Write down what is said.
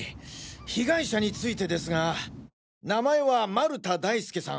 被害者についてですが名前は丸田大輔さん。